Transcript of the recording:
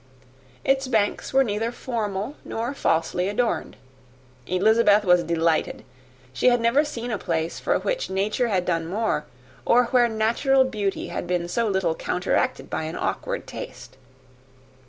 Its banks were neither formal nor falsely adorned. Elizabeth was delighted. She had never seen a place for which nature had done more, or where natural beauty had been so little counteracted by an awkward taste.